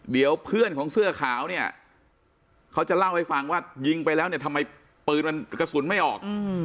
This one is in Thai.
เดี๋ยวเพื่อนของเสื้อขาวเนี่ยเขาจะเล่าให้ฟังว่ายิงไปแล้วเนี่ยทำไมปืนมันกระสุนไม่ออก